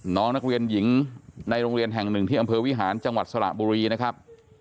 น้องนักเรียนหญิงในโรงเรียนแห่งหนึ่งที่อำเภอวิหารจังหวัดสระบุรีนะครับ